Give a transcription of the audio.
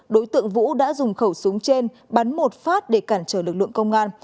đối tượng vũ đã dùng khẩu súng trên bắn một phát để cản trở lực lượng công an